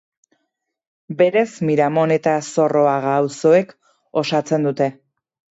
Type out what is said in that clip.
Berez Miramon eta Zorroaga auzoek osatzen dute.